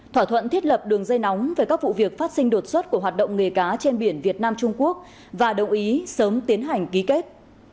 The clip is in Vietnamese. thỏa thuận thiết lập đường dây nóng về các vụ việc phát sinh đột xuất của hoạt động nghề cá trên biển việt nam trung quốc và đồng ý sớm tiến hành ký kết